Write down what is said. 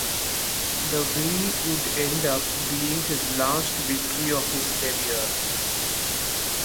The win would end up being his last victory of his career.